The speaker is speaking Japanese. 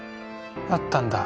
あったんだ。